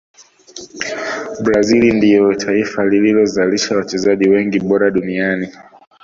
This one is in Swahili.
brazil ndio taifa lililozalisha wachezaji wengi bora duniani